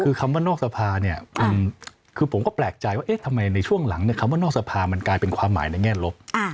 คือคำว่านอกสภาเนี่ยคือผมก็แปลกใจว่าเอ๊ะทำไมในช่วงหลังคำว่านอกสภามันกลายเป็นความหมายในแง่ลบ